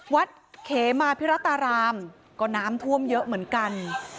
วัดเขมาพิรัตรารามก็น้ำท่วมเยอะเหมือนกัน